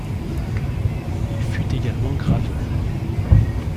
Il fut également graveur.